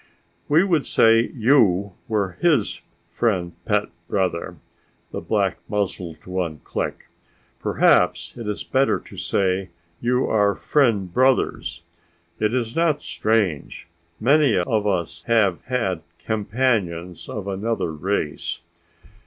"We would say you were his friend pet brother," the black muzzled one clicked. "Perhaps it is better to say you are friend brothers. It is not strange. Many of us have had companions of another race."